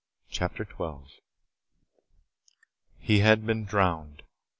CHAPTER 12 He had been drowned.